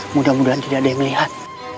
mudah mudahan tidak ada yang melihat